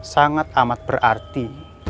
sangat amat berarti